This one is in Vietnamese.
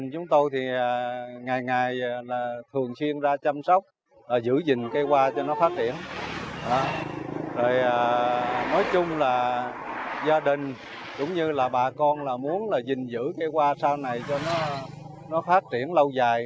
cũng như là bà con muốn là gìn giữ cây hoa sau này cho nó phát triển lâu dài